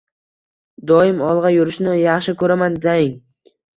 “Doim olg’a yurishni yaxshi ko’raman deng?”